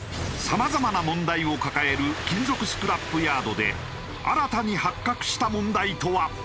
さまざまな問題を抱える金属スクラップヤードで新たに発覚した問題とは？